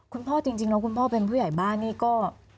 คุณพ่อจริงแล้วคุณพ่อเป็นผู้ใหญ่บ้านนี่ก็